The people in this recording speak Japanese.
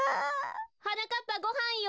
・はなかっぱごはんよ！